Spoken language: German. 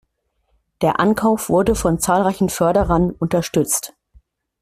Der Ankauf wurde von zahlreichen Förderern unterstützt.